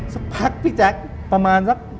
สักพักพี่แจ๊คประมาณสัก